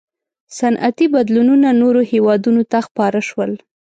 • صنعتي بدلونونه نورو هېوادونو ته خپاره شول.